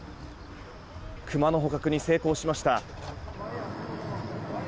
クマの捕獲に成功しました。